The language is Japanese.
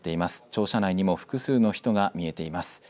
庁舎内にも複数の人が見えています。